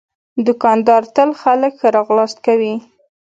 دوکاندار تل خلک ښه راغلاست کوي.